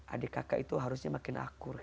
adik kakak itu harusnya makin akur